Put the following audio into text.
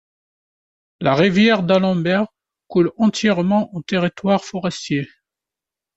La rivière D'Alembert coule entièrement en territoire forestier.